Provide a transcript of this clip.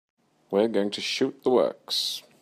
We're going to shoot the works.